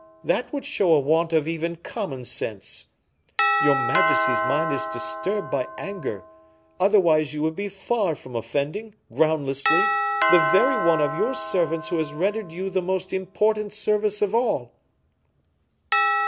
That would show a want of even common sense. Your majesty's mind is disturbed by anger; otherwise you would be far from offending, groundlessly, the very one of your servants who has rendered you the most important service of all."